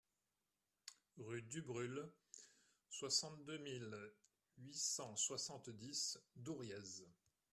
Rue Dubrulle, soixante-deux mille huit cent soixante-dix Douriez